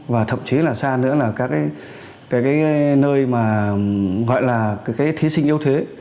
và thậm chí là xa nữa là các nơi gọi là thí sinh yêu thế